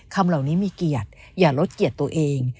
คำเหล่านี้มีเกียรติอย่าลดเกียรติตัวเอง